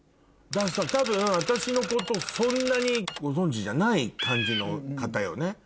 多分私のことそんなにご存じじゃない感じの方よね？